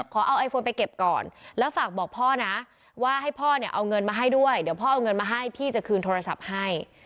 ขอเอาไอโฟนไปเก็บก่อนแล้วฝากบอกพ่อนะว่าให้พ่อเนี่ยเอาเงินมาให้ด้วยเดี๋ยวพ่อเอาเงินมาให้พี่จะคืนโทรศัพท์ให้